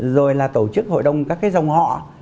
rồi là tổ chức hội đồng các dòng họ